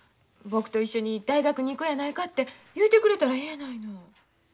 僕と一緒に大学に行こやないかて言うてくれたらええやないの。